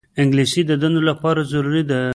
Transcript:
انګلیسي د دندو لپاره ضروري ده